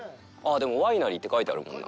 でも、「ワイナリー」って書いてあるもんな。